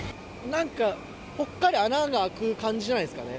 なんか、ぽっかり穴が開く感じじゃないですかね。